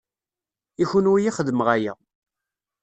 I kenwi i xedmeɣ aya.